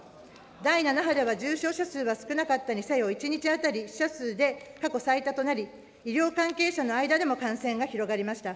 第７波では、重症者数は少なかったにせよ、１日当たり、死者数で過去最多となり、医療関係者の間でも感染が広がりました。